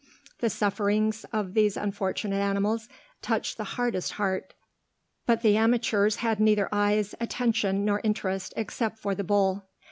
The sufferings of these unfortunate animals touched the hardest heart; but the amateurs had neither eyes, attention, nor interest, except for the bull.